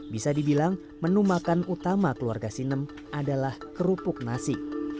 bisa dibilang menu makan utama keluarga sinem adalah kerupuk nasi